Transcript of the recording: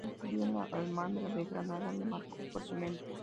Su descubrimiento de la Alhambra de Granada le marcó fuertemente.